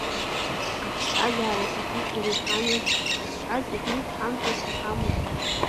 Аԥсҭазаара зегьы иреиҳами, ҳазшаз иҟнытә ҳамҭас иҳамоуп.